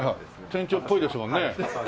店長っぽいですもんね。